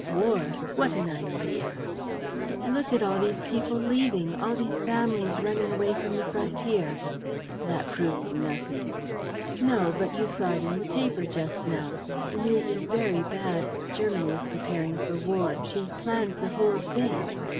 "War! What an idea!" "But look at all these people leaving, all these families running away from the frontier!" "That proves nothing." "No, but you saw it in the paper just now. The news is very bad. Germany is preparing for war. She has planned the whole thing. .